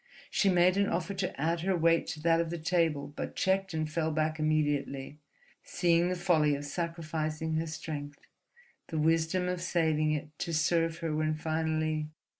She made an offer to add her weight to that of the table, but checked and fell back immediately, seeing the folly of sacrificing her strength, the wisdom of saving it to serve her when finally....